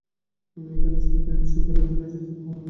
আমি এখানে শুধু শ্যাম্পেনের জন্য এসেছি, মহামান্য!